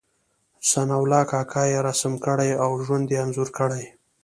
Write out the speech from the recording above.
ثناء الله کاکا يې رسم کړی او ژوند یې انځور کړی.